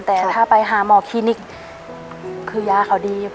แต่ถ้าไปหาหมอคลินิกคือยาเขาดี